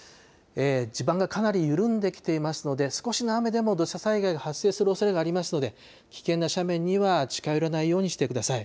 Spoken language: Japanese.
地盤がかなり緩んできていますので、少しの雨でも土砂災害が発生するおそれがありますので、危険な斜面には近寄らないようにしてください。